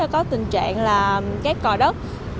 có tình trạng là các cỏ đất